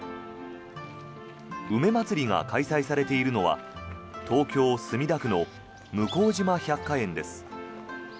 梅まつりが開催されているのは東京・墨田区の向島百花園です。